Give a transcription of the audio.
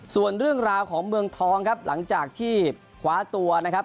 ส่วนเรื่องราวของเมืองทองครับหลังจากที่คว้าตัวนะครับ